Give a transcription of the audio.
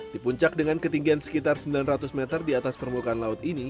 di puncak dengan ketinggian sekitar sembilan ratus meter di atas permukaan laut ini